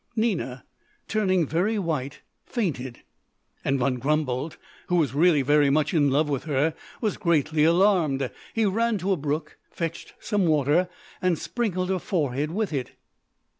Nina, turning very white, fainted, and Von Grumboldt, who was really very much in love with her, was greatly alarmed. He ran to a brook, fetched some water, and sprinkled her forehead with it.